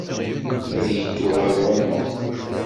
Ad yeddu ɣer Roma.